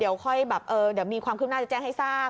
เดี๋ยวค่อยแบบเดี๋ยวมีความคืบหน้าจะแจ้งให้ทราบ